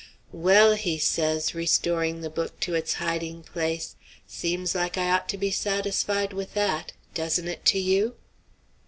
"Well," he says, restoring the book to its hiding place, "seems like I ought to be satisfied with that; doesn't it to you?"